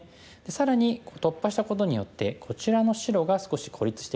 更に突破したことによってこちらの白が少し孤立してきました。